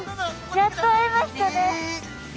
やっと会えましたね。